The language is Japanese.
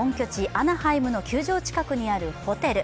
アナハイムの球場近くにあるホテル。